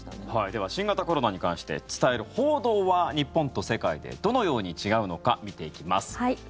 では、新型コロナに関して伝える報道は日本と世界でどのように違うのか見ていきます。